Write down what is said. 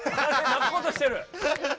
泣こうとしてる！